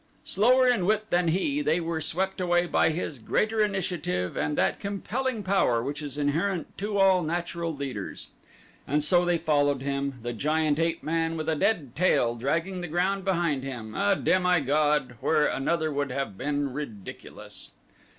Slower in wit than he, they were swept away by his greater initiative and that compelling power which is inherent to all natural leaders. And so they followed him, the giant ape man with a dead tail dragging the ground behind him a demi god where another would have been ridiculous.